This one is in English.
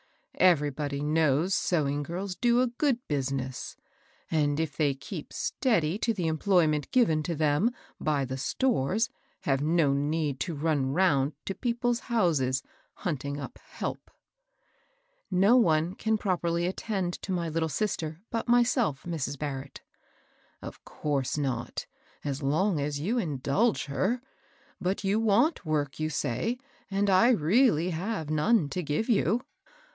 Everybody knows sewing girls do a good business, and, if they keep steady to the employment given to them by the stores, have no need to run round to people's houses hunting up help." ^^^ No one can attend properly to my little sister but myself, Mrs. Barrett." ^^ Of course not, as long as you indulge her. But you want work, you say, and I really have none to give you.